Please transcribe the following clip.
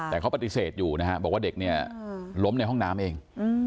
แต่เขาปฏิเสธอยู่นะฮะบอกว่าเด็กเนี่ยล้มในห้องน้ำเอง